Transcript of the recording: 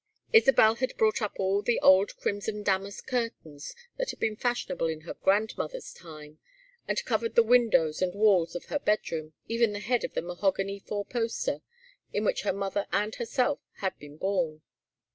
Isabel had brought up all the old crimson damask curtains that had been fashionable in her grandmother's time, and covered the windows and walls of her bedroom, even the head of the mahogany four poster in which her mother and herself had been born.